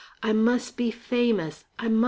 "I mus' be famous, I mus'!"